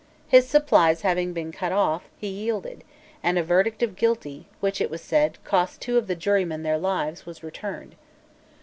His supplies having been cut off, he yielded; and a verdict of Guilty, which, it was said, cost two of the jurymen their lives, was returned.